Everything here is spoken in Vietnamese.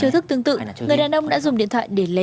tuy nhiên trong lúc người đàn ông nghe điện thoại